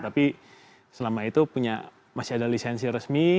tapi selama itu punya masih ada lisensi resmi